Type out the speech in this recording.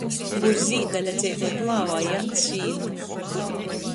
Gūvs Zīdale dzeivoj klāvā i ād sīnu.